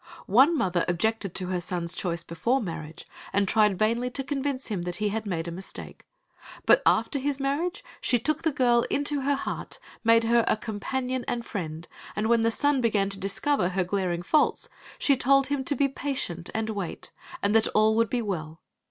One mother objected to her son's choice before marriage, and tried vainly to convince him that he had made a mistake. But after his marriage she took the girl into her heart, made her a companion and friend, and when the son began to discover her glaring faults, she told him to be patient and wait, and that all would be well.